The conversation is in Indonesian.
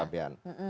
ya pak bian